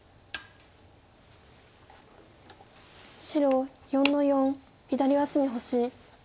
白４の四左上隅星。